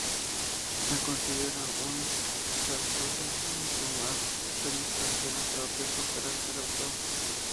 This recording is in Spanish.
Se considera una zarzuela mucho más operística que las propias óperas del autor.